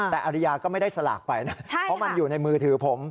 แต่อริยาก็ไม่ได้สลากไปนะเพราะมันอยู่ในมือถือผม